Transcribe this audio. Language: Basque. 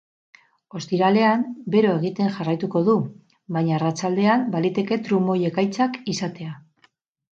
Ostiralean, bero egiten jarraituko du, baina arratsaldean baliteke trumoi-ekaitzak izatea.